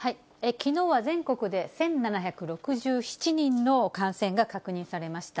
きのうは全国で１７６７人の感染が確認されました。